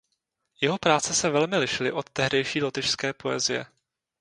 Jeho práce se velmi lišily od tehdejší lotyšské poezie.